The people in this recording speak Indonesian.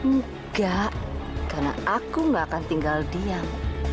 nggak karena aku nggak akan tinggal diam